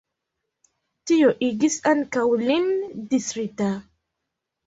Tio igis ankaŭ lin distrita.